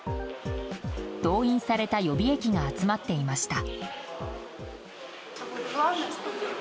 動員された予備役が集まっていました。